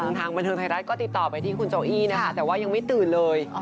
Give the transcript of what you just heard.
ซึ่งทางบันทึกไทยรัตน์ก็ติดต่อไปที่คุณโจอี้แต่ว่ายังไม่ตื่นเลย